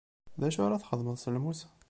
D acu ara txedmeḍ s lmus?